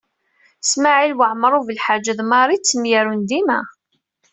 Smawil Waɛmaṛ U Belḥaǧi d Mari ttemyarun dima.